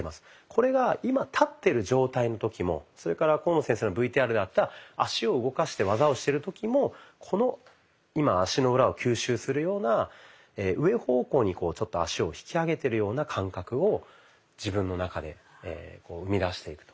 これが今立ってる状態の時もそれから甲野先生のＶＴＲにあった脚を動かして技をしてる時もこの今足の裏を吸収するような上方向に脚を引き上げてるような感覚を自分の中で生み出していくと。